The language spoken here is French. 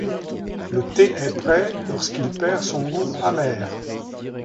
Le thé est prêt lorsqu'il perd son goût amer.